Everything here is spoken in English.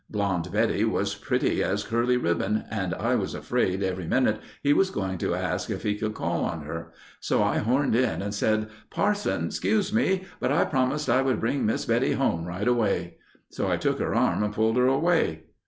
"Blonde Betty was pretty as curly ribbon and I was afraid every minute he was going to ask if he could call on her, so I horned in and said, 'Parson, excuse me, but I promised I would bring Miss Betty home right away.' "So I took her arm and pulled her away.